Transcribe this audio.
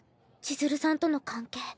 千鶴さんとの関係。